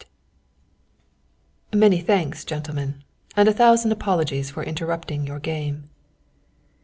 "Many thanks, gentlemen, and a thousand apologies for interrupting your game."